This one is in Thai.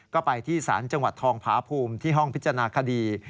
ก็ไปที่ศาลจังหวัดทองผาภูมิที่ห้องพิจารณาคดี